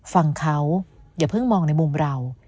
ฟังเขาอย่าเพิ่งมองในมุมเรา